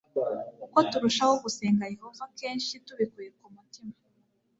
Uko turushaho gusenga Yehova kenshi tubikuye ku mutima